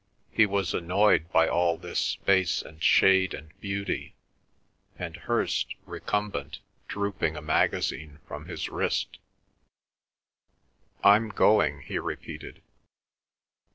He was annoyed by all this space and shade and beauty, and Hirst, recumbent, drooping a magazine from his wrist. "I'm going," he repeated.